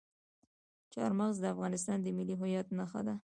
چار مغز د افغانستان د ملي هویت نښه ده.